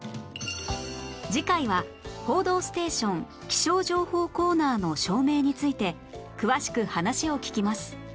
次回は『報道ステーション』気象情報コーナーの照明について詳しく話を聞きます